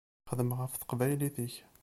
Xdem ɣef teqbaylit-ik.